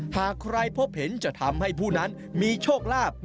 หากใครพบเห็นจะทำให้ผู้นั้นมีโชคลาภ